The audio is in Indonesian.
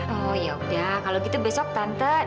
oh yaudah kalau gitu besok tante